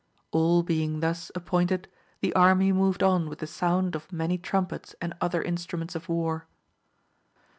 All being thus ap pointed, the army moved on with the sound of to trumpets and other instruments of war.